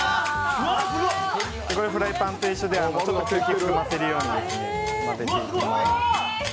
フライパンと一緒で空気を入れるように混ぜていきます。